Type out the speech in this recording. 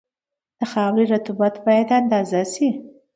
د خاورې رطوبت باید اندازه شي